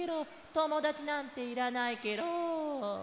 ともだちなんていらないケロ。